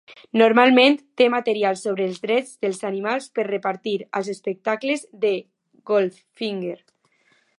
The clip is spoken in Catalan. Normalment té material sobre els drets dels animals per repartir als espectacles de Goldfinger.